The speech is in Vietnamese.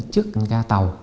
trước ga tàu